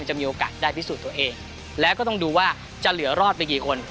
จะมีโอกาสได้พิสูจน์ตัวเองแล้วก็ต้องดูว่าจะเหลือรอดไปกี่คน